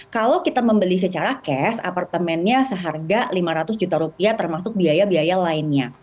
kalau kita membeli secara cash apartemennya seharga lima ratus juta rupiah termasuk biaya biaya lainnya